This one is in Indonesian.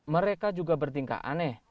mereka juga bertingkah aneh